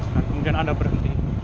kemudian anda berhenti